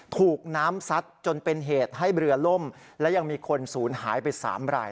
ถูกน้ำซัดจนเป็นเหตุให้เรือล่มและยังมีคนศูนย์หายไป๓ราย